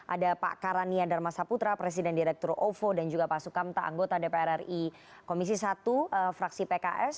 ada pak karania dharma saputra presiden direktur ovo dan juga pak sukamta anggota dpr ri komisi satu fraksi pks